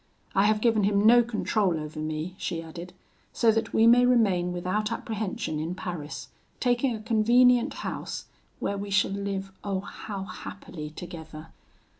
I have given him no control over me,' she added, 'so that we may remain without apprehension in Paris, taking a convenient house, where we shall live, oh how happily together!'